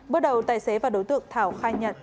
bước đầu tài xế và đối tượng thảo khai nhận